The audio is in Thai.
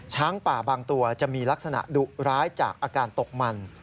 ช้างป่าบางตัวจะมีลักษณะดุร้ายจากอาการตกมัน